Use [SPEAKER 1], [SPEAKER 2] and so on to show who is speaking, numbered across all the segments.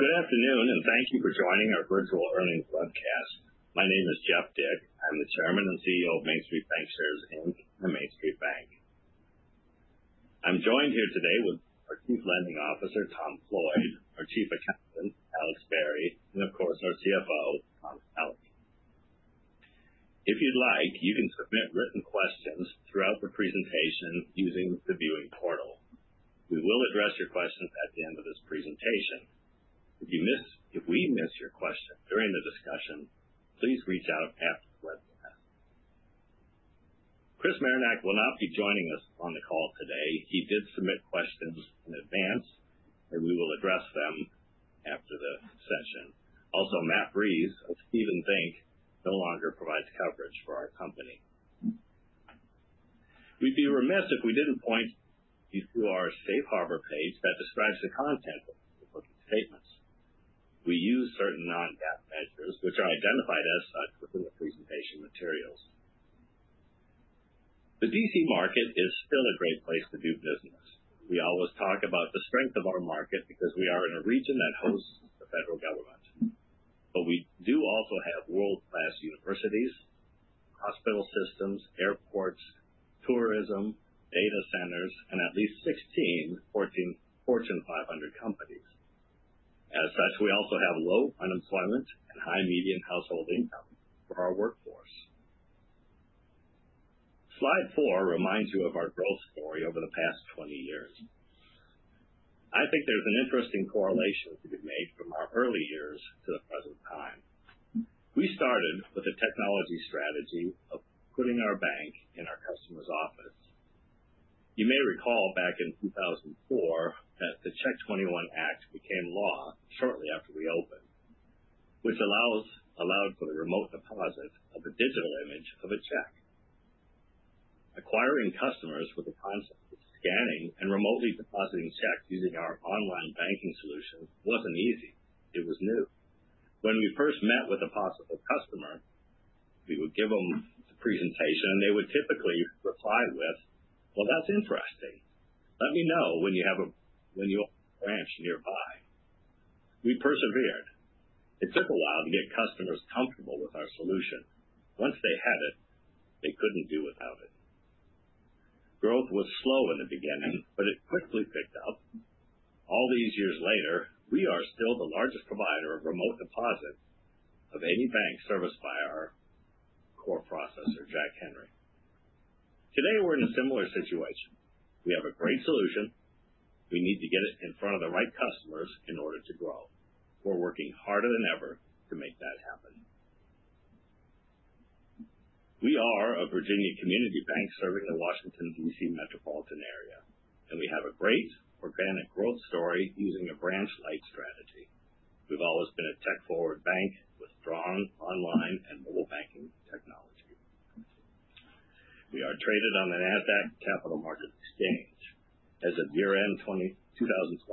[SPEAKER 1] Good afternoon, and thank you for joining our virtual earnings webcast. My name is Jeff Dick. I'm the Chairman and CEO of MainStreet Bancshares Inc. and MainStreet Bank. I'm joined here today with our Chief Lending Officer, Tom Floyd, our Chief Accountant, Alex Vari, and of course, our CFO, Tom Chmelik. If you'd like, you can submit written questions throughout the presentation using the viewing portal. We will address your questions at the end of this presentation. If we miss your question during the discussion, please reach out after the webcast. Chris Marinac will not be joining us on the call today. He did submit questions in advance, and we will address them after the session. Also, Matt Rees of Stephens Inc. no longer provides coverage for our company. We'd be remiss if we didn't point you to our Safe Harbor page that describes the content of the statements. We use certain non-GAAP measures, which are identified as such within the presentation materials. The D.C. market is still a great place to do business. We always talk about the strength of our market because we are in a region that hosts the federal government. But we do also have world-class universities, hospital systems, airports, tourism, data centers, and at least 16 Fortune 500 companies. As such, we also have low unemployment and high median household income for our workforce. Slide four reminds you of our growth story over the past 20 years. I think there's an interesting correlation to be made from our early years to the present time. We started with a technology strategy of putting our bank in our customer's office. You may recall back in 2004 that the Check 21 Act became law shortly after we opened, which allowed for the remote deposit of a digital image of a check. Acquiring customers with the concept of scanning and remotely depositing checks using our online banking solution wasn't easy. It was new. When we first met with a possible customer, we would give them the presentation, and they would typically reply with, "Well, that's interesting. Let me know when you have a branch nearby." We persevered. It took a while to get customers comfortable with our solution. Once they had it, they couldn't do without it. Growth was slow in the beginning, but it quickly picked up. All these years later, we are still the largest provider of remote deposit of any bank serviced by our core processor, Jack Henry. Today, we're in a similar situation. We have a great solution. We need to get it in front of the right customers in order to grow. We're working harder than ever to make that happen. We are a Virginia community bank serving the Washington, D.C. metropolitan area, and we have a great organic growth story using a branch-like strategy. We've always been a tech-forward bank with strong online and mobile banking technology. We are traded on the Nasdaq Capital Market. As of year-end 2024,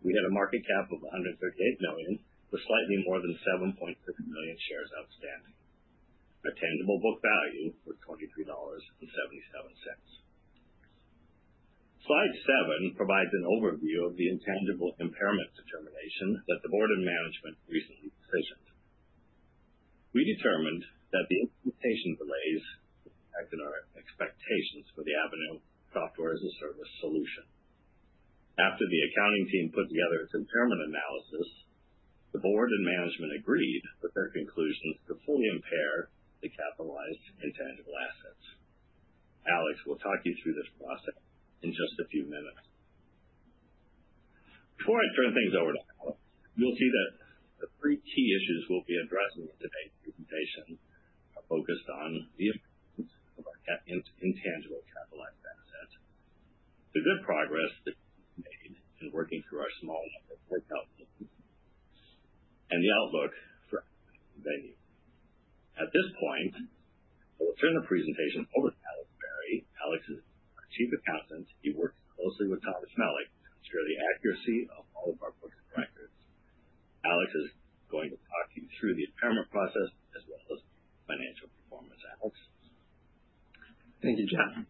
[SPEAKER 1] we had a market cap of $138 million, with slightly more than 7.6 million shares outstanding. Our tangible book value was $23.77. Slide seven provides an overview of the intangible impairment determination that the board and management recently decided. We determined that the implementation delays impacted our expectations for the Avenu Software as a Service solution. After the accounting team put together its impairment analysis, the board and management agreed with their conclusions to fully impair the capitalized intangible assets. Alex will talk you through this process in just a few minutes. Before I turn things over to Alex, you'll see that the three key issues we'll be addressing in today's presentation are focused on the importance of our intangible capitalized assets, the good progress that we've made in working through our small number of breakout meetings, and the outlook for our Venue. At this point, I will turn the presentation over to Alex Vari. Alex is our Chief Accountant. He works closely with Thomas Floyd to ensure the accuracy of all of our books and records. Alex is going to talk you through the impairment process as well as financial performance. Alex.
[SPEAKER 2] Thank you, Jeff.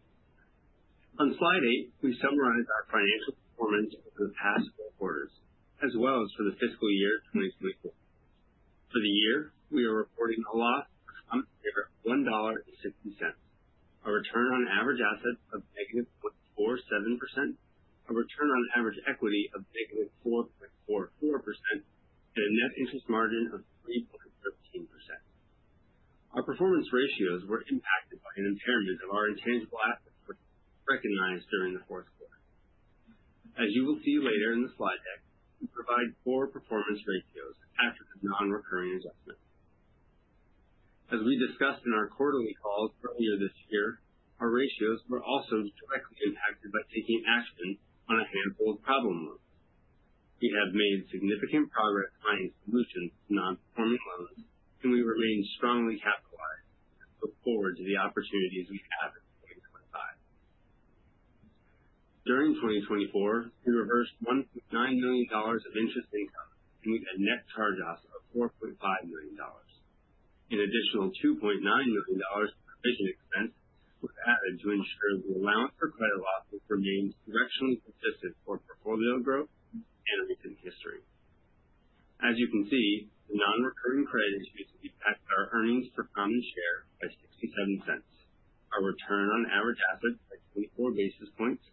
[SPEAKER 2] On slide eight, we summarize our financial performance over the past four quarters, as well as for the fiscal year 2024. For the year, we are reporting a loss of $1.60, a return on average assets of -0.47%, a return on average equity of -4.44%, and a net interest margin of 3.13%. Our performance ratios were impacted by an impairment of our intangible assets recognized during the fourth quarter. As you will see later in the slide deck, we provide four performance ratios after the non-recurring adjustment. As we discussed in our quarterly calls earlier this year, our ratios were also directly impacted by taking action on a handful of problem loans. We have made significant progress finding solutions to non-performing loans, and we remain strongly capitalized and look forward to the opportunities we have in 2025. During 2024, we reversed $1.9 million of interest income, and we had net charge-offs of $4.5 million. An additional $2.9 million provision expense was added to ensure the allowance for credit losses remained directionally consistent for portfolio growth and recent history. As you can see, the non-recurring credit issues impacted our earnings per common share by $0.67, our return on average asset by 24 basis points,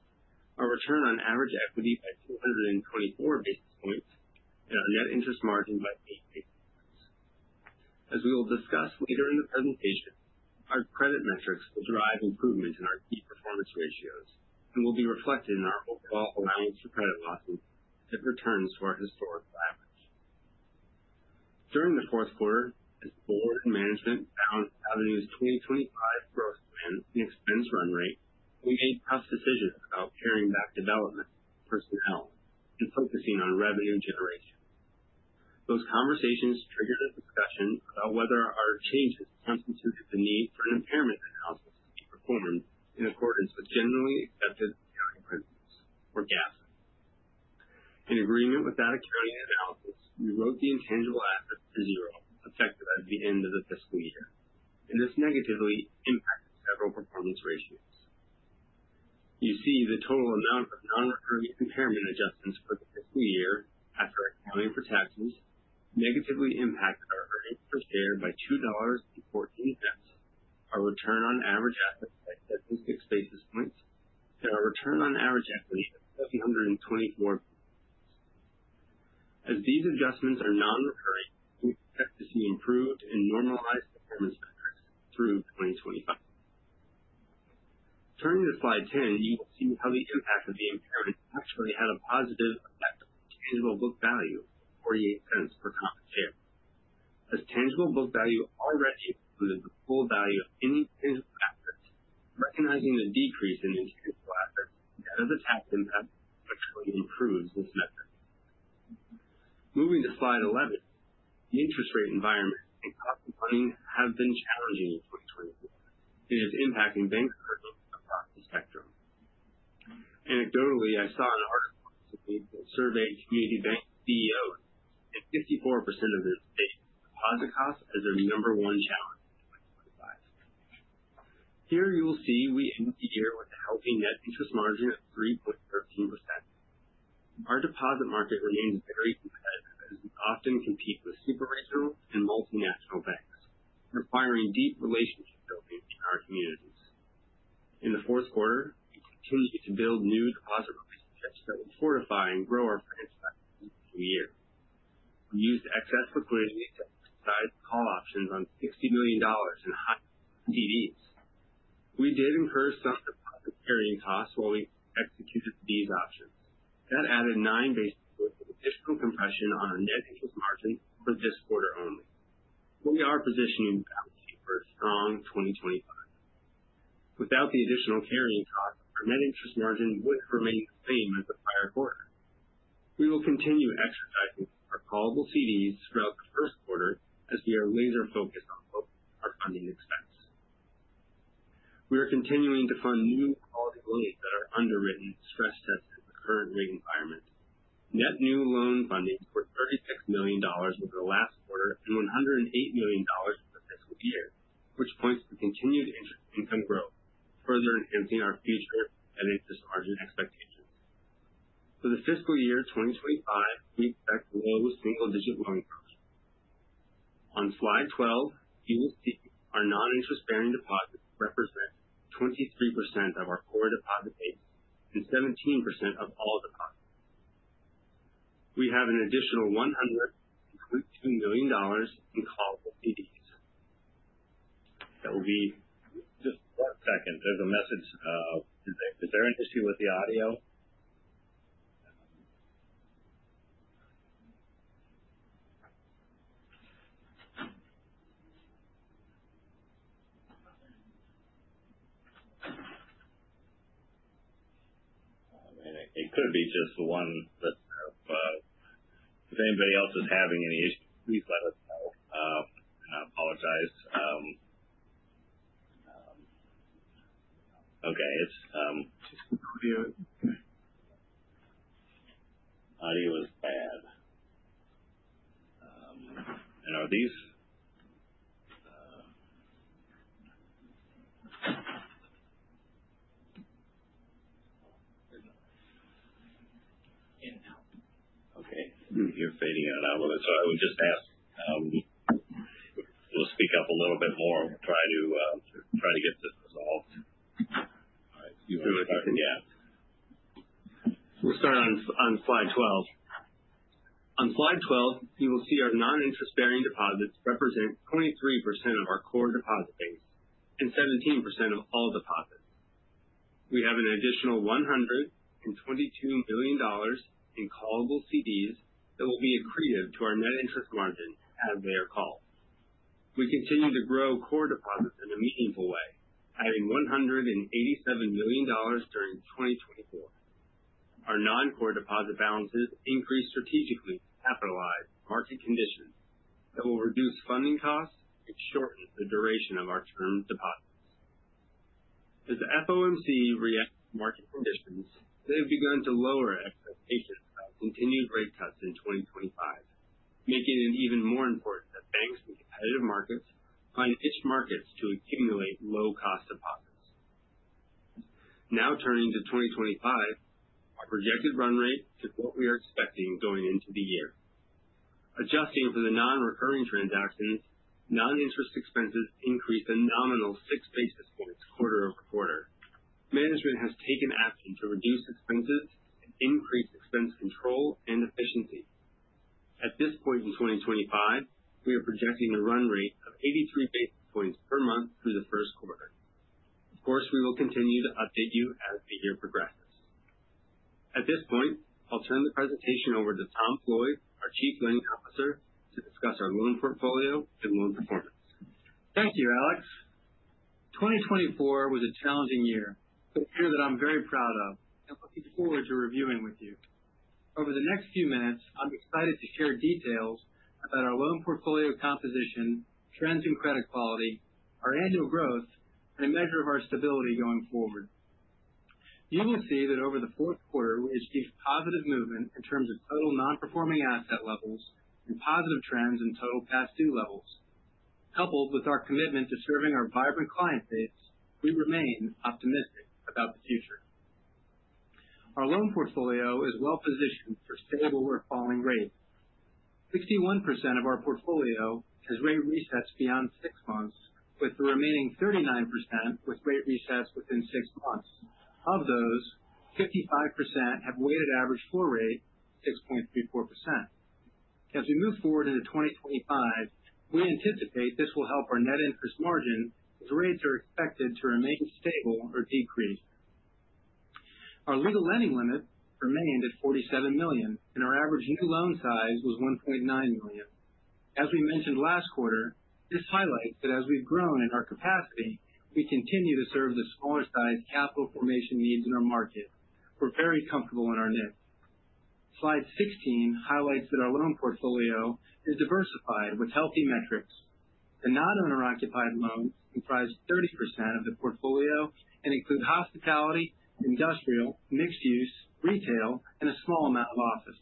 [SPEAKER 2] our return on average equity by 224 basis points, and our net interest margin by 8 basis points. As we will discuss later in the presentation, our credit metrics will drive improvement in our key performance ratios and will be reflected in our overall allowance for credit losses that returns to our historical average. During the fourth quarter, as the board and management found Avenu's 2025 growth plan and expense run rate, we made tough decisions about paring back development, personnel, and focusing on revenue generation. Those conversations triggered a discussion about whether our changes constituted the need for an impairment analysis to be performed in accordance with generally accepted accounting principles, or GAAP. In agreement with that accounting analysis, we wrote the intangible assets for zero, effective at the end of the fiscal year, and this negatively impacted several performance ratios. You see the total amount of non-recurring impairment adjustments for the fiscal year after accounting for taxes negatively impacted our earnings per share by $2.14, our return on average assets by 76 basis points, and our return on average equity of 724 basis points. As these adjustments are non-recurring, we expect to see improved and normalized impairment metrics through 2025. Turning to slide 10, you will see how the impact of the impairment actually had a positive effect on Tangible book value of $0.48 per common share. As Tangible book value already included the full value of intangible assets, recognizing the decrease in intangible assets and net of the tax impact actually improves this metric. Moving to slide 11, the interest rate environment and cost of funding have been challenging in 2024, and it's impacting banks across the spectrum. Anecdotally, I saw an article recently that surveyed community bank CEOs, and 54% of them stated deposit costs as their number one challenge in 2025. Here you will see we end the year with a healthy Net interest margin of 3.13%. Our deposit market remains very competitive as we often compete with super regional and multinational banks, requiring deep relationship building in our communities. In the fourth quarter, we continued to build new deposit relationships that would fortify and grow our financial equity year to year. We used excess liquidity to exercise call options on $60 million in high-cost CDs. We did incur some deposit carrying costs while we executed these options. That added nine basis points of additional compression on our net interest margin for this quarter only. We are positioning the balance sheet for a strong 2025. Without the additional carrying costs, our net interest margin would have remained the same as the prior quarter. We will continue exercising our callable CDs throughout the first quarter as we are laser-focused on booking our funding expense. We are continuing to fund new quality loans that are underwritten and stress-tested in the current rate environment. Net new loan funding was $36 million over the last quarter and $108 million over the fiscal year, which points to continued interest income growth, further enhancing our future net interest margin expectations. For the fiscal year 2025, we expect low single-digit loan growth. On slide 12, you will see our non-interest-bearing deposits represent 23% of our core deposit base and 17% of all deposits. We have an additional $122 million in callable CDs.
[SPEAKER 1] That will be just one second. There's a message. Is there an issue with the audio? It could be just the one listener. If anybody else is having any issues, please let us know. And I apologize. Okay. Audio is bad. And are these in now? Okay. You're fading out of it. So I would just ask we'll speak up a little bit more and we'll try to get this resolved. All right. You want to talk again?
[SPEAKER 2] We'll start on slide 12. On slide 12, you will see our non-interest-bearing deposits represent 23% of our core deposit base and 17% of all deposits. We have an additional $122 million in callable CDs that will be accretive to our net interest margin, as they are called. We continue to grow core deposits in a meaningful way, adding $187 million during 2024. Our non-core deposit balances increase strategically to capitalize market conditions that will reduce funding costs and shorten the duration of our term deposits. As FOMC reacts to market conditions, they have begun to lower expectations about continued rate cuts in 2025, making it even more important that banks in competitive markets find niche markets to accumulate low-cost deposits. Now turning to 2025, our projected run rate is what we are expecting going into the year. Adjusting for the non-recurring transactions, non-interest expenses increased a nominal six basis points quarter over quarter. Management has taken action to reduce expenses and increase expense control and efficiency. At this point in 2025, we are projecting a run rate of 83 basis points per month through the first quarter. Of course, we will continue to update you as the year progresses. At this point, I'll turn the presentation over to Tom Floyd, our Chief Lending Officer, to discuss our loan portfolio and loan performance. Thank you, Alex. 2024 was a challenging year, but a year that I'm very proud of and looking forward to reviewing with you. Over the next few minutes, I'm excited to share details about our loan portfolio composition, trends in credit quality, our annual growth, and a measure of our stability going forward. You will see that over the fourth quarter, we achieved positive movement in terms of total non-performing asset levels and positive trends in total past due levels. Coupled with our commitment to serving our vibrant client base, we remain optimistic about the future. Our loan portfolio is well-positioned for stable or falling rates. 61% of our portfolio has rate resets beyond six months, with the remaining 39% with rate resets within six months. Of those, 55% have weighted average floor rate, 6.34%. As we move forward into 2025, we anticipate this will help our net interest margin as rates are expected to remain stable or decrease. Our legal lending limit remained at $47 million, and our average new loan size was $1.9 million. As we mentioned last quarter, this highlights that as we've grown in our capacity, we continue to serve the smaller-sized capital formation needs in our market. We're very comfortable in our niche. Slide 16 highlights that our loan portfolio is diversified with healthy metrics. The non-owner-occupied loans comprise 30% of the portfolio and include hospitality, industrial, mixed-use, retail, and a small amount of office.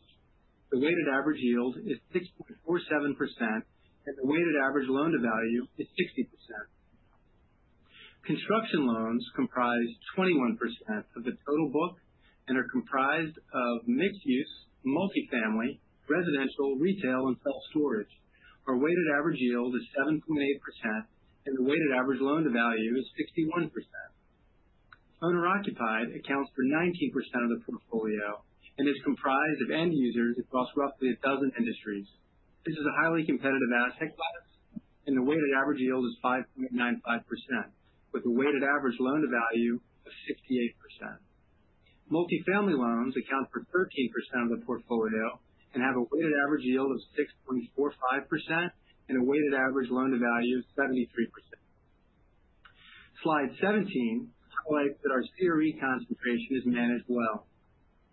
[SPEAKER 2] The weighted average yield is 6.47%, and the weighted average loan-to-value is 60%. Construction loans comprise 21% of the total book and are comprised of mixed-use, multifamily, residential, retail, and self-storage. Our weighted average yield is 7.8%, and the weighted average loan-to-value is 61%. Owner-occupied accounts for 19% of the portfolio and is comprised of end users across roughly a dozen industries. This is a highly competitive asset class, and the weighted average yield is 5.95%, with a weighted average loan-to-value of 68%. Multifamily loans account for 13% of the portfolio and have a weighted average yield of 6.45% and a weighted average loan-to-value of 73%. Slide 17 highlights that our CRE concentration is managed well.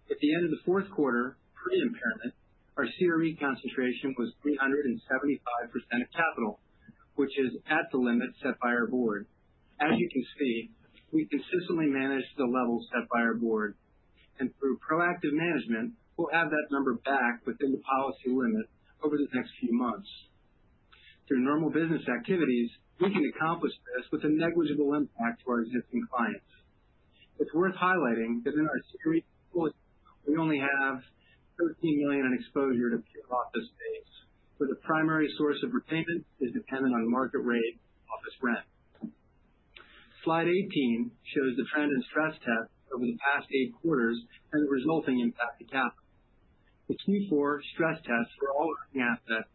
[SPEAKER 2] At the end of the fourth quarter, pre-impairment, our CRE concentration was 375% of capital, which is at the limit set by our board. As you can see, we consistently manage the level set by our board, and through proactive management, we'll have that number back within the policy limit over the next few months. Through normal business activities, we can accomplish this with a negligible impact to our existing clients. It's worth highlighting that in our CRE portfolio, we only have $13 million in exposure to office space, where the primary source of repayment is dependent on market rate office rent. Slide 18 shows the trend and stress test over the past eight quarters and the resulting impact to capital. The Q4 stress test for all assets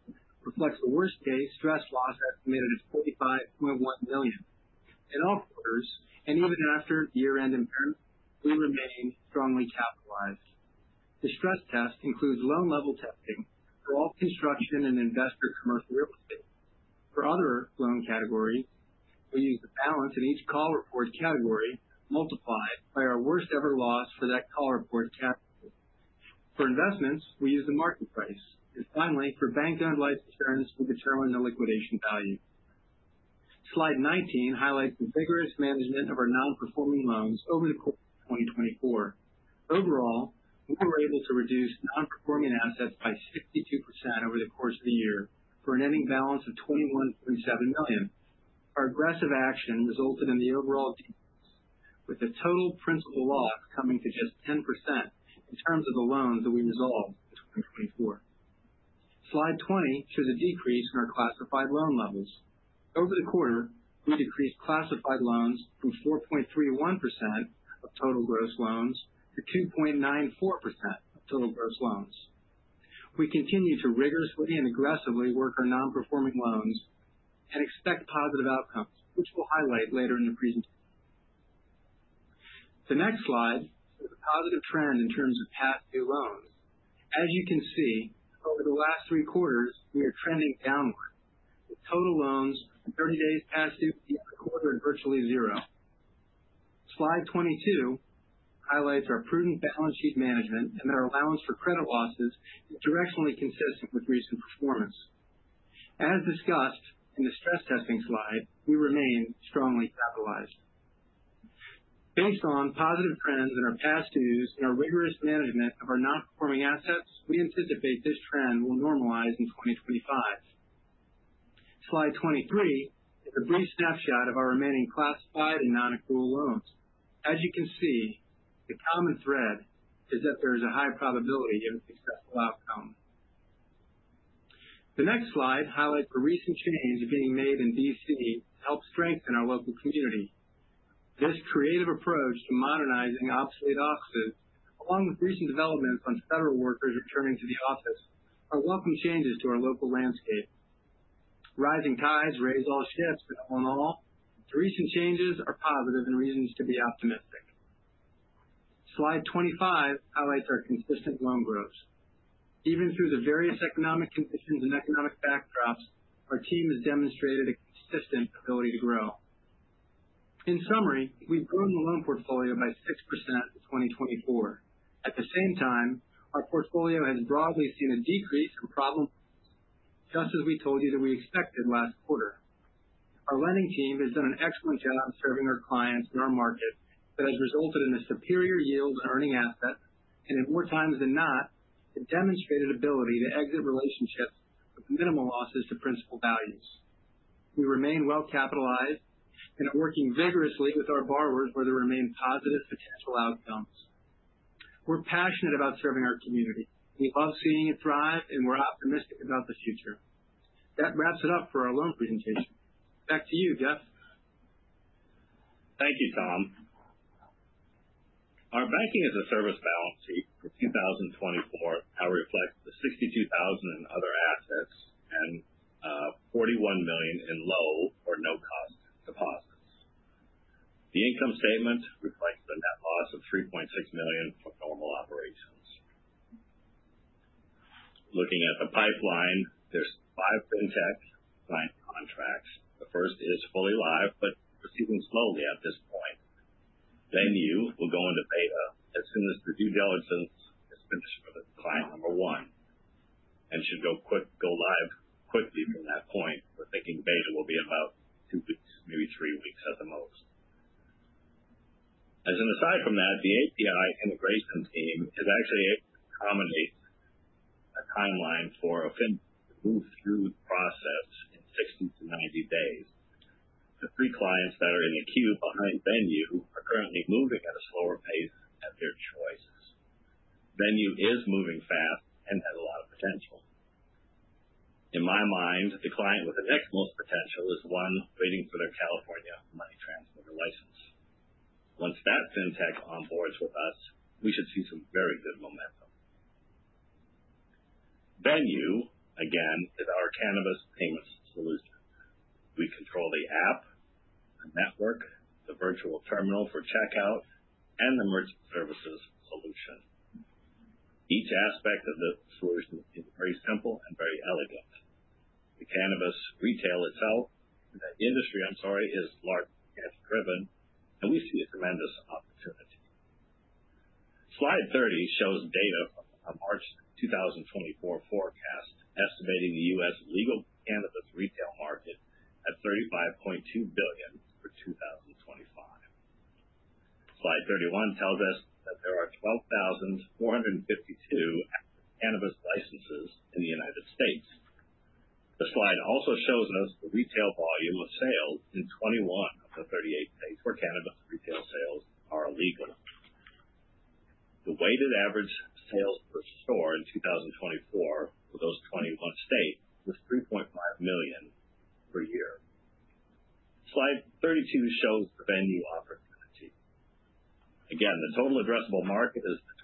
[SPEAKER 2] reflects the worst-case stress loss estimated at $45.1 million. In all quarters, and even after year-end impairment, we remain strongly capitalized. The stress test includes loan-level testing for all construction and investor commercial real estate. For other loan categories, we use the balance in each call report category multiplied by our worst-ever loss for that call report category. For investments, we use the market price. And finally, for bank-owned life insurance, we determine the liquidation value. Slide 19 highlights the vigorous management of our non-performing loans over the course of 2024. Overall, we were able to reduce non-performing assets by 62% over the course of the year for an ending balance of $21.7 million. Our aggressive action resulted in the overall decrease, with the total principal loss coming to just 10% in terms of the loans that we resolved in 2024. Slide 20 shows a decrease in our classified loan levels. Over the quarter, we decreased classified loans from 4.31% of total gross loans to 2.94% of total gross loans. We continue to rigorously and aggressively work our non-performing loans and expect positive outcomes, which we'll highlight later in the presentation. The next slide shows a positive trend in terms of past due loans. As you can see, over the last three quarters, we are trending downward. The total loans for 30 days past due for the other quarter are virtually zero. Slide 22 highlights our prudent balance sheet management and that our allowance for credit losses is directionally consistent with recent performance. As discussed in the stress testing slide, we remain strongly capitalized. Based on positive trends in our past dues and our rigorous management of our non-performing assets, we anticipate this trend will normalize in 2025. Slide 23 is a brief snapshot of our remaining classified and non-accrual loans. As you can see, the common thread is that there is a high probability of a successful outcome. The next slide highlights a recent change being made in D.C. to help strengthen our local community. This creative approach to modernizing obsolete offices, along with recent developments on federal workers returning to the office, are welcome changes to our local landscape. Rising tides raise all ships. With all in all, the recent changes are positive and reasons to be optimistic. Slide 25 highlights our consistent loan growth. Even through the various economic conditions and economic backdrops, our team has demonstrated a consistent ability to grow. In summary, we've grown the loan portfolio by 6% in 2024. At the same time, our portfolio has broadly seen a decrease in problems, just as we told you that we expected last quarter. Our lending team has done an excellent job serving our clients in our market that has resulted in a superior yield and earning asset, and at more times than not, it demonstrated ability to exit relationships with minimal losses to principal values. We remain well capitalized and are working vigorously with our borrowers where there remain positive potential outcomes. We're passionate about serving our community. We love seeing it thrive, and we're optimistic about the future. That wraps it up for our loan presentation. Back to you, Jeff.
[SPEAKER 1] Thank you, Tom. Our banking as a service balance sheet for 2024 now reflects the $62,000 in other assets and $41 million in low or no-cost deposits. The income statement reflects the net loss of $3.6 million for normal operations. Looking at the pipeline, there's five FinTech client contracts. The first is fully live but proceeding slowly at this point. Then you will go into beta as soon as the due diligence is finished for the client number one and should go live quickly from that point. We're thinking beta will be in about two weeks, maybe three weeks at the most. As an aside from that, the API integration team is actually able to accommodate a timeline for a FinTech to move through the process in 60 to 90 days. The three clients that are in the queue behind Venue are currently moving at a slower pace at their choice. Venue is moving fast and has a lot of potential. In my mind, the client with the next most potential is the one waiting for their California money transfer license. Once that FinTech onboards with us, we should see some very good momentum. Venue, again, is our cannabis payments solution. We control the app, the network, the virtual terminal for checkout, and the merchant services solution. Each aspect of the solution is very simple and very elegant. The cannabis retail itself, the industry, I'm sorry, is large-cap driven, and we see a tremendous opportunity. Slide 30 shows data from a March 2024 forecast estimating the U.S. legal cannabis retail market at $35.2 billion for 2025. Slide 31 tells us that there are 12,452 active cannabis licenses in the United States. The slide also shows us the retail volume of sales in 21 of the 38 states where cannabis retail sales are legal. The weighted average sales per store in 2024 for those 21 states was $3.5 million per year. Slide 32 shows the Venue opportunity. Again, the total addressable market is the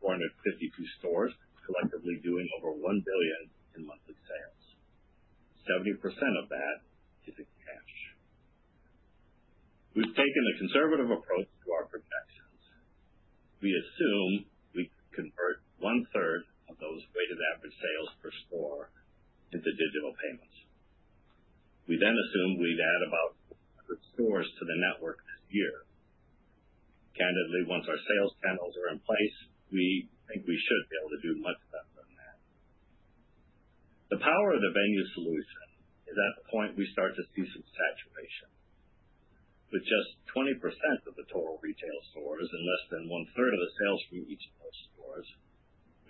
[SPEAKER 1] 12,452 stores collectively doing over $1 billion in monthly sales. 70% of that is in cash. We've taken a conservative approach to our projections. We assume we could convert one-third of those weighted average sales per store into digital payments. We then assume we'd add about 400 stores to the network this year. Candidly, once our sales channels are in place, we think we should be able to do much better than that. The power of the Venue solution is at the point we start to see some saturation. With just 20% of the total retail stores and less than one-third of the sales from each of those stores,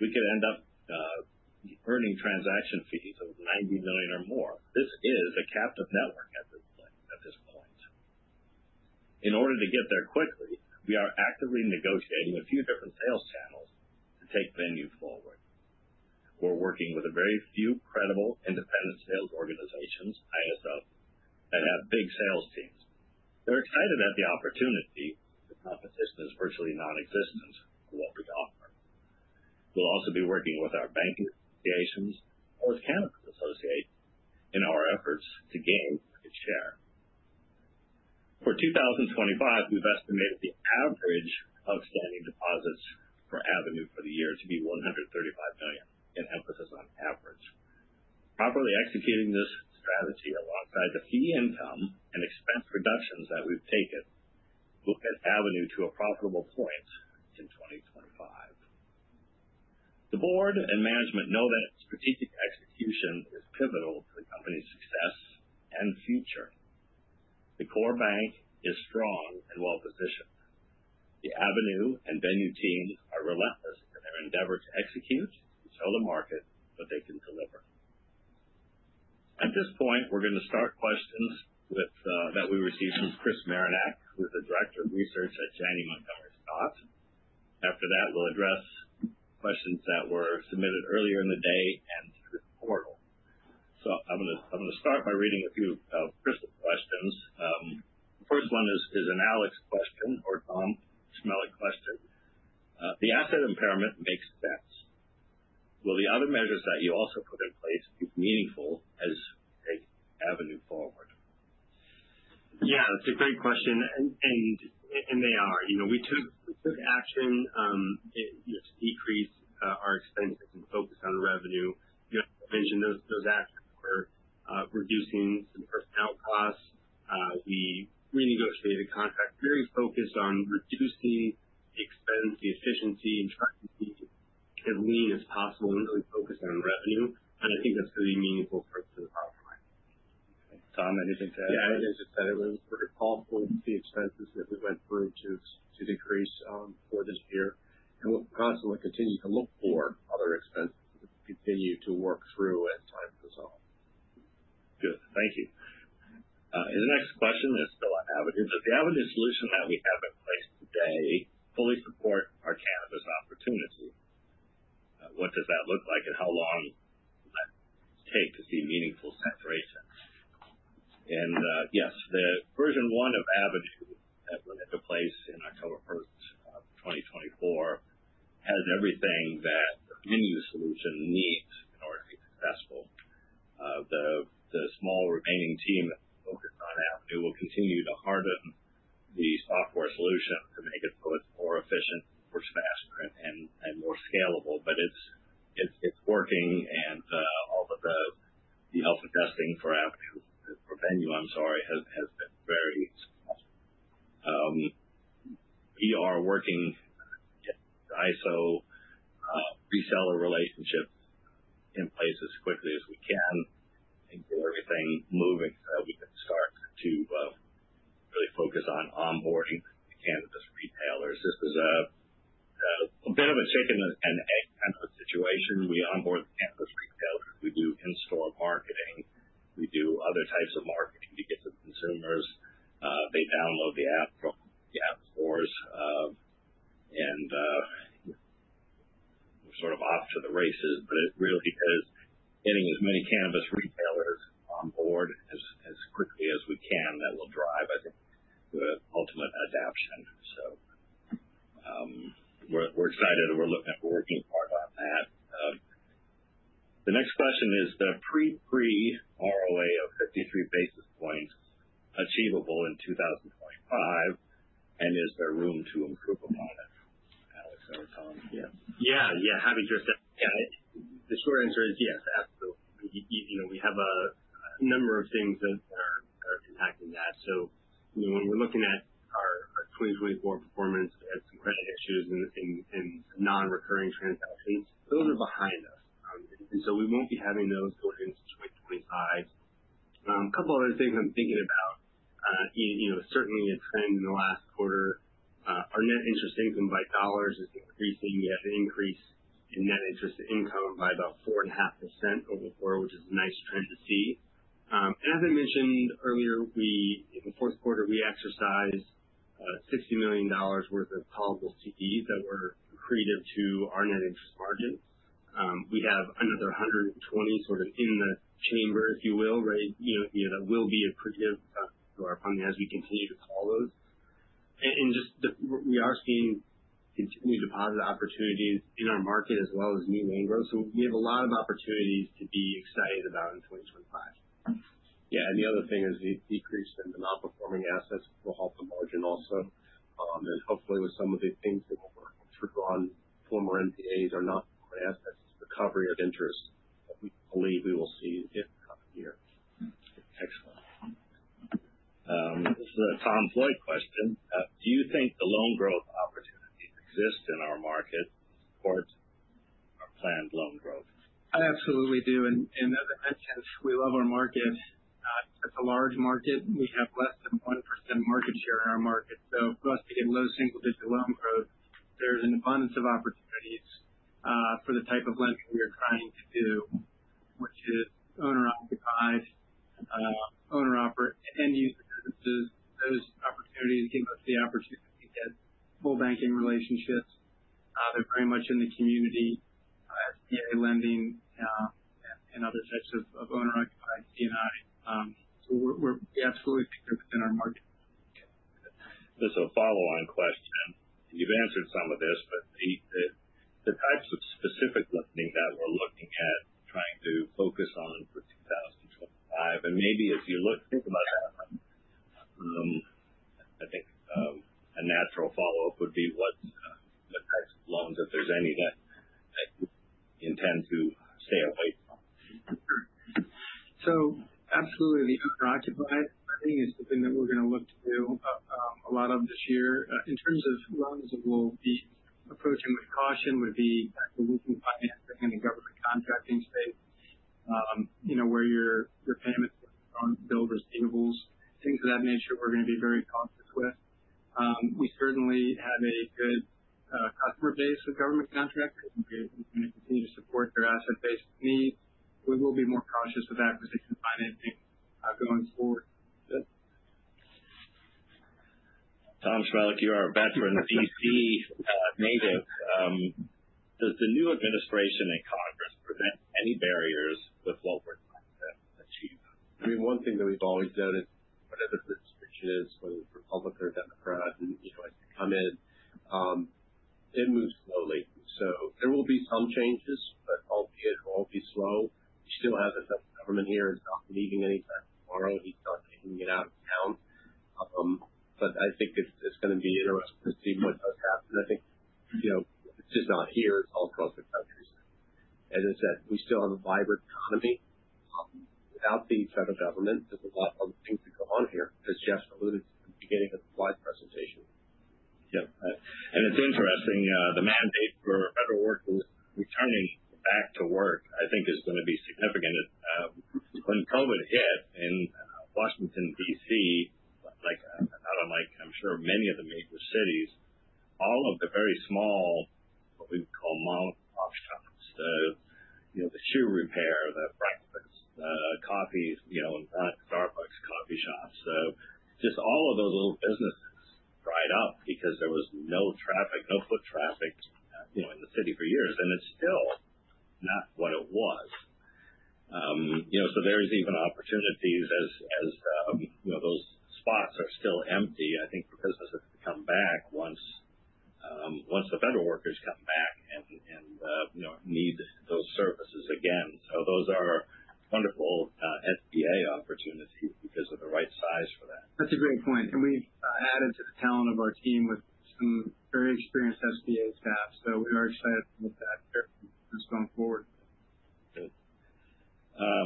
[SPEAKER 1] we could end up earning transaction fees of $90 million or more. This is a captive network at this point. In order to get there quickly, we are actively negotiating a few different sales channels to take Venue forward. We're working with a very few credible independent sales organizations, ISO, that have big sales teams. They're excited at the opportunity. The competition is virtually nonexistent for what we offer. We'll also be working with our banking associations or with Cannabis Association in our efforts to gain market share. For 2025, we've estimated the average outstanding deposits for Avenue for the year to be $135 million, an emphasis on average. Properly executing this strategy alongside the fee income and expense reductions that we've taken, we'll get Avenue to a profitable point in 2025. The board and management know that strategic execution is pivotal to the company's success and future. The core bank is strong and well-positioned. The Avenue and Venue teams are relentless in their endeavor to execute and show the market what they can deliver. At this point, we're going to start questions that we received from Chris Marinac, who is the director of research at Janney Montgomery Scott. After that, we'll address questions that were submitted earlier in the day and through the portal. So I'm going to start by reading a few of Chris's questions. The first one is an Alex question or Tom Chmelik question. The asset impairment makes sense. Will the other measures that you also put in place be meaningful as you take Avenue forward?
[SPEAKER 3] Yeah, that's a great question. And they are. We took action to decrease our expenses and focus on revenue. You mentioned those actions were reducing some personnel costs. We renegotiated contracts very focused on reducing the expense, the efficiency, and trying to be as lean as possible and really focus on revenue. And I think that's going to be meaningful for the bottom line.
[SPEAKER 1] Tom, anything to add?
[SPEAKER 4] Yeah, I just said it was very thoughtful to see expenses that we went through to decrease for this year, and we'll possibly continue to look for other expenses and continue to work through as time goes on.
[SPEAKER 1] Good. Thank you. And the next question is still on Avenu. Does the Avenu solution that we have in place today fully support our cannabis opportunity? What does that look like, and how long will that take to see meaningful separation? And yes, the version one of Avenu that went into place on October 1st, 2024, has everything that the Venue solution needs in order to be successful. The small remaining team that focused on Avenu will continue to harden the software solution to make it so it's more efficient, more faster, and more scalable. But it's working, and although the health and testing for
[SPEAKER 2] by about 4.5% over the quarter, which is a nice trend to see. And as I mentioned earlier, in the fourth quarter, we exercised $60 million worth of probable CDs that were accretive to our net interest margin. We have another $120 million sort of in the chamber, if you will, right, that will be accretive to our funding as we continue to call those. And just we are seeing continued deposit opportunities in our market as well as new loan growth. So we have a lot of opportunities to be excited about in 2025. Yeah. And the other thing is the decrease in the non-performing assets will help the margin also. And hopefully, with some of the things that we'll work through on former NPAs or non-performing assets, it's recovery of interest that we believe we will see in the coming years.
[SPEAKER 1] Excellent. This is a Tom Floyd question. Do you think the loan growth opportunities exist in our market to support our planned loan growth?
[SPEAKER 3] I absolutely do, and as I mentioned, we love our market. It's a large market. We have less than 1% market share in our market, so for us to get low single-digit loan growth, there's an abundance of opportunities for the type of lending we are trying to do, which is owner-occupied, owner-operated, end-user businesses. Those opportunities give us the opportunity to get full banking relationships. They're very much in the community as VA lending and other types of owner-occupied C&I, so we absolutely think they're within our market.
[SPEAKER 1] This is a follow-on question. You've answered some of this, but the types of specific lending that we're looking at, trying to focus on for 2025, and maybe as you think about that, I think a natural follow-up would be what types of loans, if there's any, that you intend to stay away from?
[SPEAKER 3] Sure. So absolutely, the owner-occupied lending is something that we're going to look to do a lot of this year. In terms of loans that we'll be approaching with caution would be looking financing in the government contracting space where your payments will be on billed receivables, things of that nature we're going to be very cautious with. We certainly have a good customer base of government contractors and are going to continue to support their asset-based needs. We will be more cautious with acquisition financing going forward.
[SPEAKER 1] Tom Chmelik, you are a veteran DC native. Does the new administration and Congress present any barriers with what we're trying to achieve?
[SPEAKER 4] I mean, one thing that we've always noticed is whatever the jurisdiction is, whether it's Republican or Democrat, as you come in, it moves slowly. So there will be some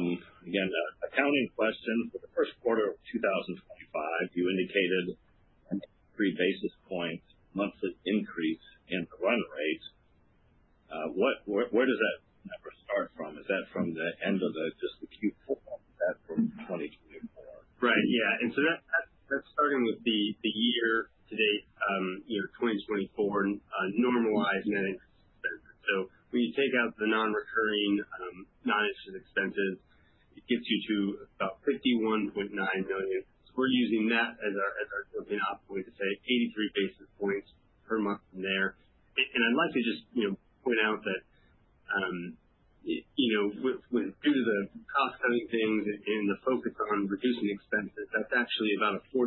[SPEAKER 1] workers come back and need those services again. So those are wonderful SBA opportunities because of the right size for that.
[SPEAKER 3] That's a great point. And we've added to the talent of our team with some very experienced SBA staff. So we are excited to look at that going forward.
[SPEAKER 1] Good. Again, accounting question. For the first quarter of 2025, you indicated a three basis points monthly increase in the run rate. Where does that number start from? Is that from the end of just the Q4? Is that from 2024?
[SPEAKER 2] Right. Yeah. And so that's starting with the year to date, 2024, normalized net interest expenses. So when you take out the non-recurring, non-interest expenses, it gets you to about $51.9 million. So we're using that as our jumping off point to say 83 basis points per month from there. And I'd like to just point out that due to the cost-cutting things and the focus on reducing expenses, that's actually about a 40%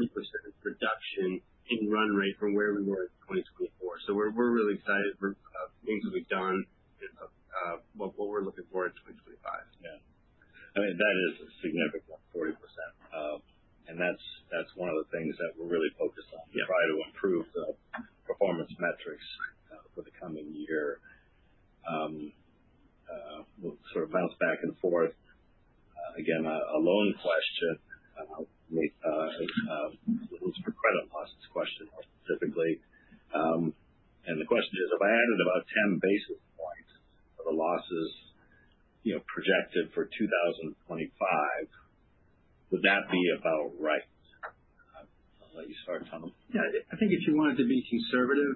[SPEAKER 2] reduction in run rate from where we were in 2024. So we're really excited about the things that we've done and what we're looking for in 2025.
[SPEAKER 1] Yeah. I mean, that is a significant 40%. And that's one of the things that we're really focused on to try to improve the performance metrics for the coming year. We'll sort of bounce back and forth. Again, a loan question. It was for credit losses question specifically. And the question is, if I added about 10 basis points of the losses projected for 2025, would that be about right? I'll let you start, Tom.
[SPEAKER 3] Yeah, I think if you wanted to be conservative,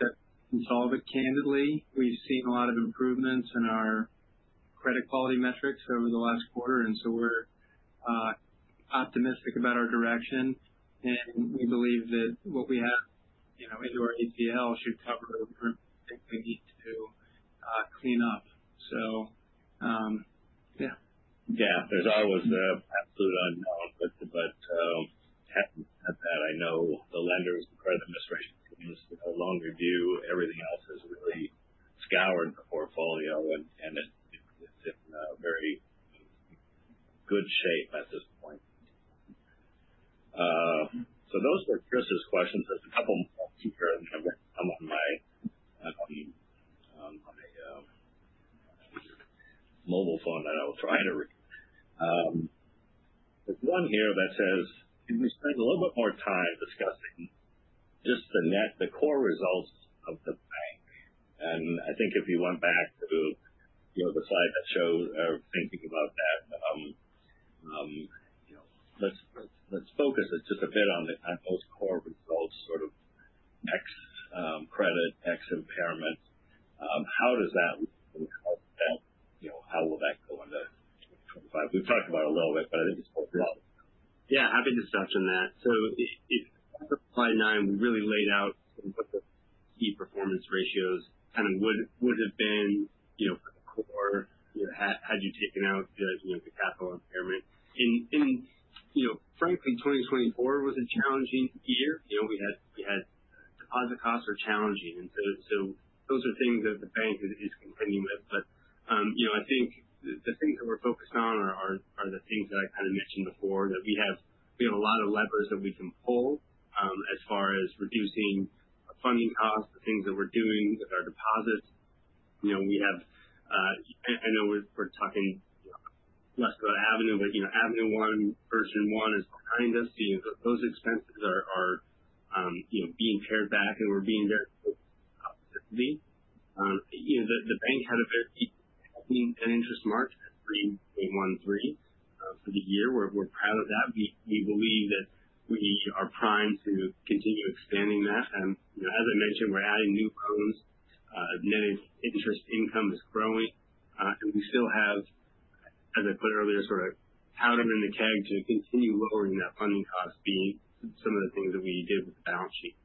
[SPEAKER 3] that can solve it, candidly. We've seen a lot of improvements in our credit quality metrics over the last quarter, and so we're optimistic about our direction, and we believe that what we have in our ACL should cover the things we need to clean up. So yeah.
[SPEAKER 1] Yeah. There's always the absolute unknown, but at that, I know the lenders, the credit administration teams, loan review, everything else has really scoured the portfolio, and it's in very good shape at this point, so those were Chris's questions. There's a couple more here that have come on my mobile phone that I will try to read. There's one here that says, "Can we spend a little bit more time discussing just the core results of the bank?" and I think if you went back to the slide that shows our thinking about that, let's focus just a bit on those core results, sort of X credit, X impairment. How does that look? How will that go into 2025? We've talked about it a little bit, but I think it's worthwhile.
[SPEAKER 2] Yeah. Happy to touch on that. So in the slide nine, we really laid out some of the key performance ratios, kind of what would have been for the core had you taken out the capital impairment, and frankly, 2024 was a challenging year. We had deposit costs that were challenging, and so those are things that the bank is contending with, but I think the things that we're focused on are the things that I kind of mentioned before, that we have a lot of levers that we can pull as far as reducing funding costs, the things that we're doing with our deposits. I know we're talking less about Avenue, but Avenue one, version one is behind us. Those expenses are being pared back, and we're being very focused on deposits. The bank had a very decent net interest margin at 3.13% for the year. We're proud of that. We believe that we are primed to continue expanding that. And as I mentioned, we're adding new loans. Net interest income is growing. And we still have, as I put earlier, sort of powder in the keg to continue lowering that funding cost, being some of the things that we did with the balance sheet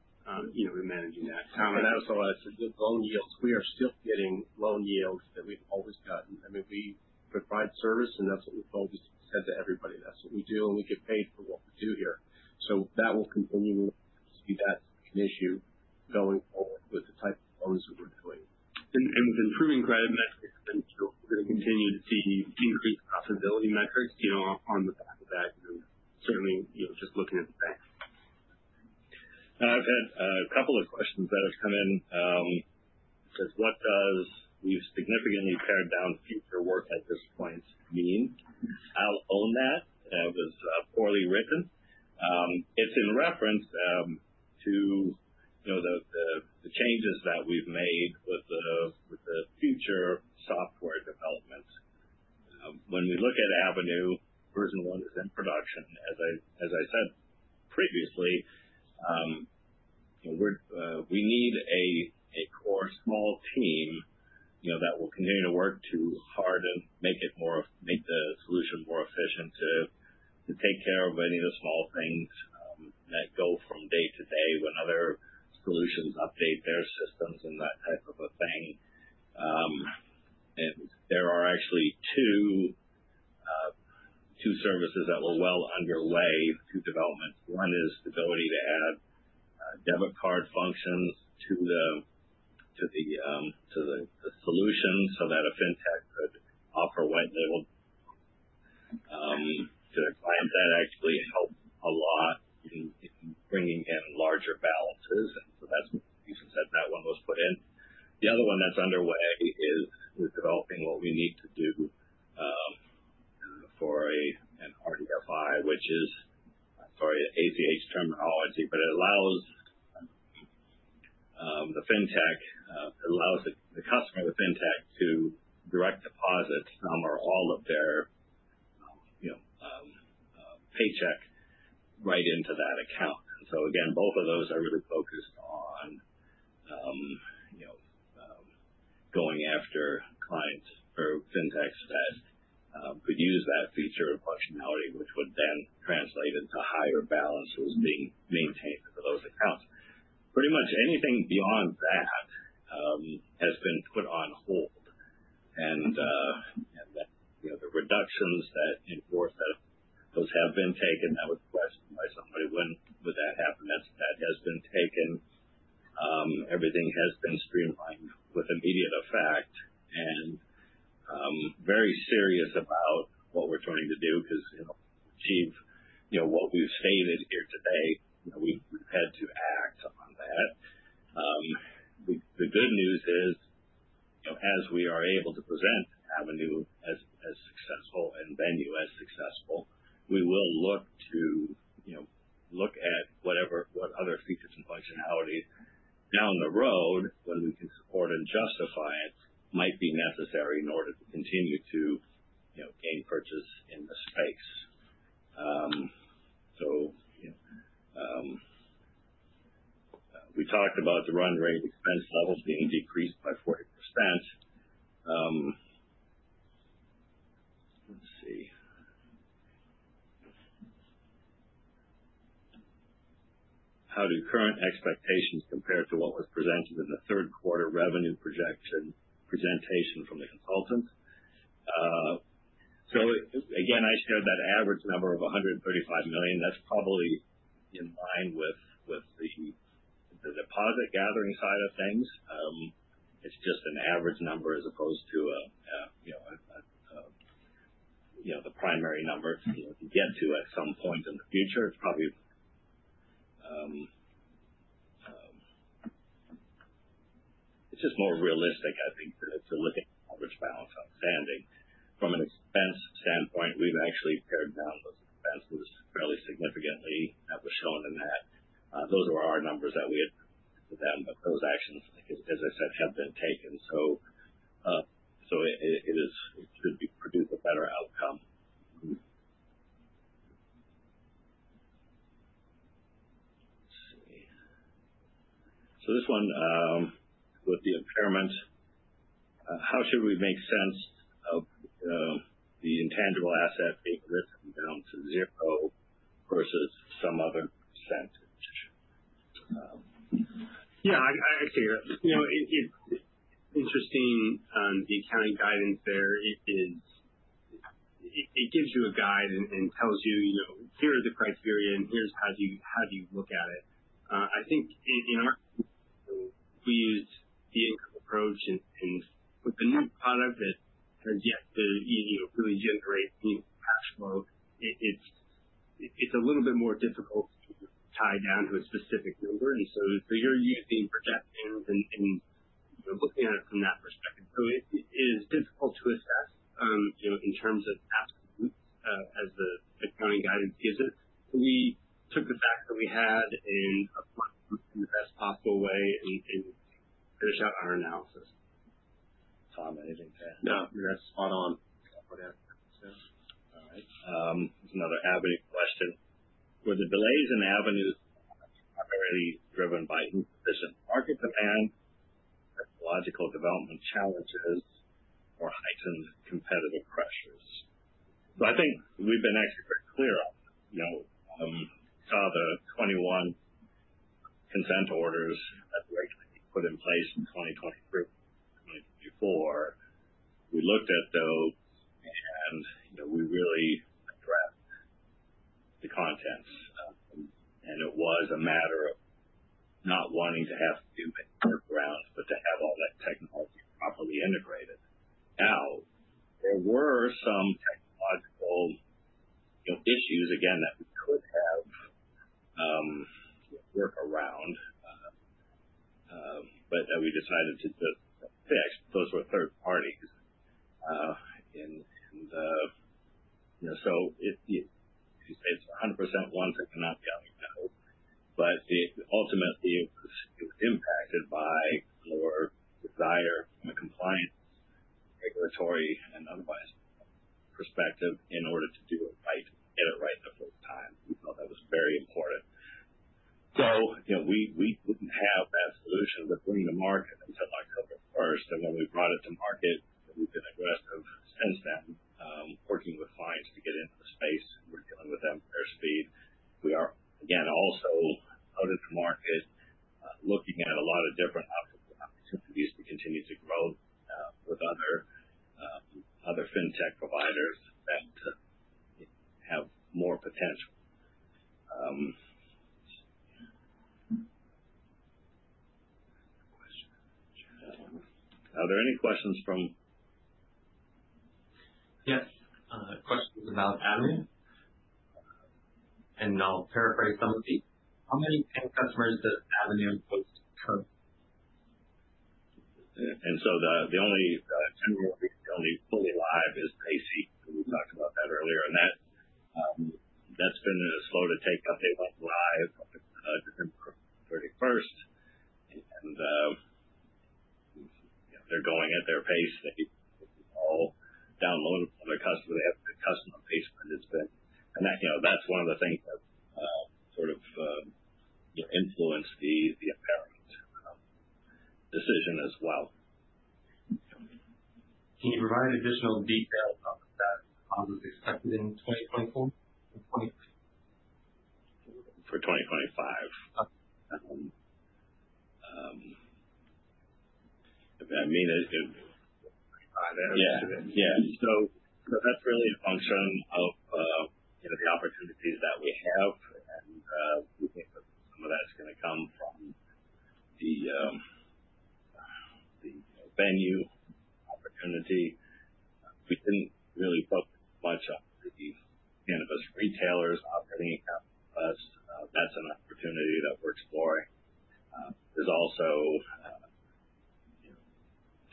[SPEAKER 2] in managing that.
[SPEAKER 4] Tom, and I also want to say loan yields. We are still getting loan yields that we've always gotten. I mean, we provide service, and that's what we've always said to everybody. That's what we do, and we get paid for what we do here. So that will continue to be that second issue going forward with the type of loans that we're doing.
[SPEAKER 2] With improving credit metrics, we're going to continue to see increased profitability metrics on the back of that, certainly just looking at the bank.
[SPEAKER 1] I've had a couple of questions that have come in. It says, "What does significantly pared down future work at this point mean? I'll own that." That was poorly written. It's in reference to the changes that we've made with the future software development. When we look at Avenue, version 1 is in production. As I said previously, we need a core small team that will continue to work to harden, make the solution more efficient, to take care of any of the small things that go from day to day when other solutions update their systems and that type of a thing. There are actually two services that were well underway, two developments. One is the ability to add debit card functions to the solution so that a fintech could offer white label to their clients. That actually helped a lot in bringing in larger balances. And so that's what the reason that that one was put in. The other one that's underway is we're developing what we need to do for an RDFI, which is, sorry, ACH terminology, but it allows the fintech, it allows the customer of the fintech to direct deposit some or all of their paycheck right into that account. And so again, both of those are really focused on going after clients or fintechs that could use that feature or functionality, which would then translate into higher balances being maintained for those accounts. Pretty much anything beyond that has been put on hold. And the reductions that enforced that, those have been taken. That was a question by somebody, "When would that happen?" That has been taken. Everything has been streamlined with immediate effect and very serious about what we're trying to do because to achieve what we've stated here today, we've had to act on that. The good news is, as we are able to present Avenu as successful and Venue as successful, we will look to look at what other features and functionality down the road when we can support and justify it might be necessary in order to continue to gain purchase in the space. We talked about the run rate expense levels being decreased by 40%. Let's see. How do current expectations compare to what was presented in the third quarter revenue projection presentation from the consultant? Again, I shared that average number of $135 million. That's probably in line with the deposit gathering side of things. It's just an average number as opposed to the primary number to get to at some point in the future. It's just more realistic, I think, to look at the average balance outstanding. From an expense standpoint, we've actually pared down those expenses fairly significantly. That was shown in that. Those were our numbers that we had presented, but those actions, as I said, have been taken. So it should produce a better outcome. Let's see. So this one with the impairment, how should we make sense of the intangible asset being written down to zero versus some other percentage?
[SPEAKER 2] Yeah. I agree. It's interesting on the accounting guidance there. It gives you a guide and tells you, "Here are the criteria, and here's how do you look at it." I think in our case, we used the income approach. And with the new product that has yet to really generate cash flow, it's a little bit more difficult to tie down to a specific number. And so you're using projections and looking at it from that perspective. So it is difficult to assess in terms of absolutes as the accounting guidance gives it. So we took the facts that we had and applied them in the best possible way and finished out our analysis.
[SPEAKER 1] Tom, anything to add?
[SPEAKER 4] Yeah. I mean, that's spot on.
[SPEAKER 1] All right. There's another Avenu question. Were the delays in Avenu primarily driven by inefficient market demand, technological development challenges, or heightened competitive pressures? So I think we've been actually pretty clear on that. We saw the 21 consent orders that were put in place in 2023 and 2024. We looked at those, and we really addressed the contents. And it was a matter of not wanting to have to do many workarounds, but to have all that technology properly integrated. Now, there were some technological issues, again, that we could have worked around, but that we decided to fix. Those were third parties. And so you say it's 100% ones that cannot be on your nose? But ultimately, it was impacted by more desire from a compliance, regulatory, and otherwise perspective in order to do it right, get it right the first time. We felt that was very important. We wouldn't have that solution with bringing to market until October 1st. When we brought it to market, we've been aggressive since then, working with clients to get into the space. We are, again, also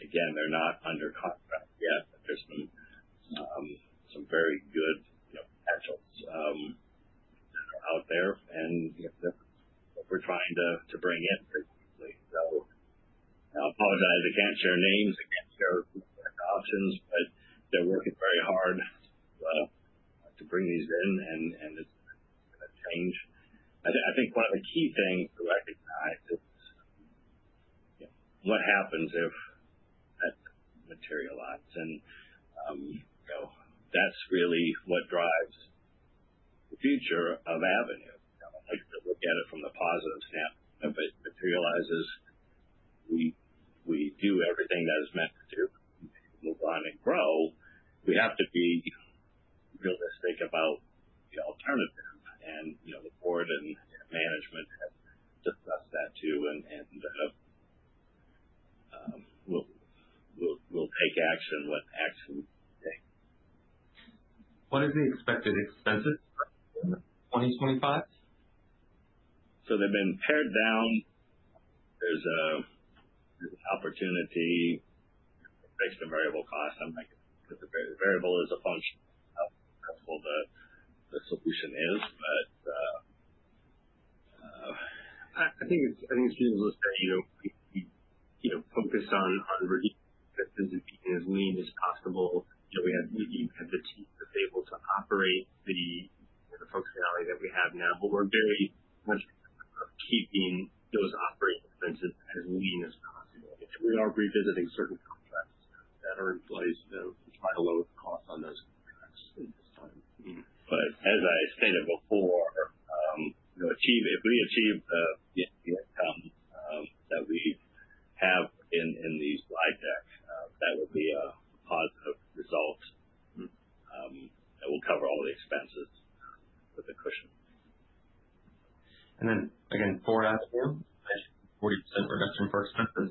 [SPEAKER 1] again, they're not under contract yet, but there's some very good potentials that are out there. And we're trying to bring in very quickly. So I apologize. I can't share names. I can't share options, but they're working very hard to bring these in. And it's going to change. I think one of the key things to recognize is what happens if that materializes. And that's really what drives the future of Avenue. I like to look at it from the positive standpoint. If it materializes, we do everything that is meant to do, move on and grow. We have to be realistic about the alternative. And the board and management have discussed that too. And we'll take action when action is taken.
[SPEAKER 2] What is the expected expenses for 2025?
[SPEAKER 1] So they've been pared down. There's an opportunity based on variable costs. I'm not going to say the variable is a function of how profitable the solution is, but.
[SPEAKER 2] I think it's reasonable to say we focused on reducing expenses and being as lean as possible. We had the team that's able to operate the functionality that we have now, but we're very much keeping those operating expenses as lean as possible, and we are revisiting certain contracts that are in place to try to lower the cost on those contracts at this time.
[SPEAKER 1] As I stated before, if we achieve the income that we have in these slide decks, that would be a positive result that will cover all the expenses with a cushion.
[SPEAKER 2] And then again, for Avenue, you mentioned 40% reduction for expenses.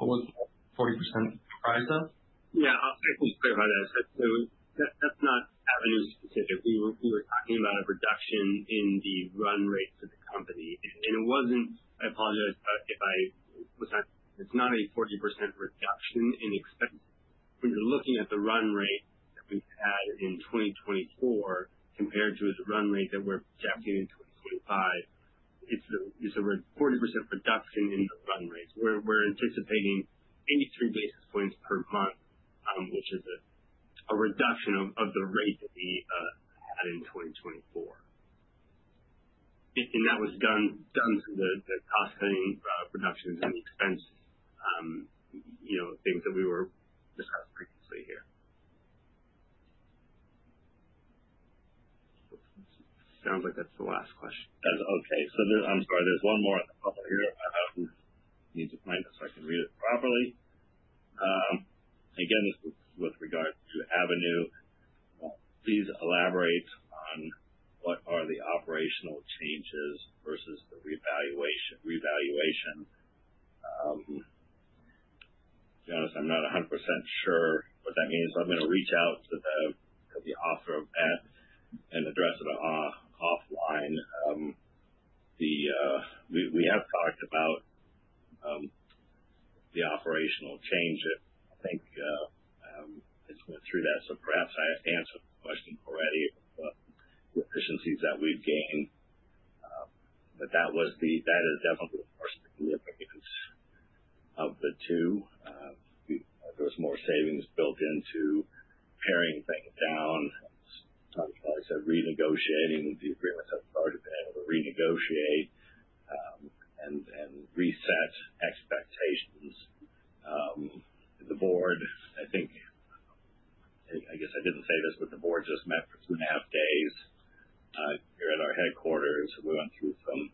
[SPEAKER 2] What was the 40% comprised of? Yeah. I'll clarify that. So that's not Avenu specific. We were talking about a reduction in the run rate for the company. And it wasn't - I apologize if I was not - it's not a 40% reduction in expenses. When you're looking at the run rate that we had in 2024 compared to the run rate that we're projecting in 2025, it's a 40% reduction in the run rates. We're anticipating 83 basis points per month, which is a reduction of the rate that we had in 2024. And that was done through the cost-cutting reductions and the expense things that we were discussing previously here. Sounds like that's the last question.
[SPEAKER 1] Okay, so I'm sorry. There's one more at the top of here. I need to find it so I can read it properly. Again, this is with regard to Avenu. Please elaborate on what are the operational changes versus the revaluation. To be honest, I'm not 100% sure what that means, so I'm going to reach out to the author of that and address it offline. We have talked about the operational change. I think I just went through that, so perhaps I answered the question already about the efficiencies that we've gained. But that is definitely the first significance of the two. There was more savings built into paring things down. As I said, renegotiating the agreements that we've already been able to renegotiate and reset expectations. The board, I think - I guess I didn't say this, but the board just met for two and a half days here at our headquarters. We went through some